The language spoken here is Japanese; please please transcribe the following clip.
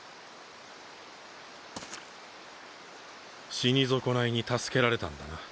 死に損ないに助けられたんだな。